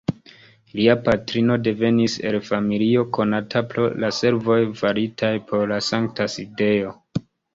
Lia patrino devenis el familio konata pro la servoj faritaj por la Sankta Sidejo.